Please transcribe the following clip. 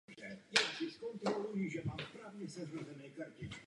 Mezitím se dva milenci ukrývají v malé místnosti a sní o společné budoucnosti.